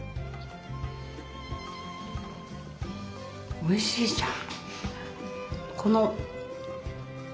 おいしいじゃん！